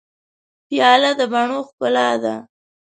پیاله د بڼو ښکلا ده.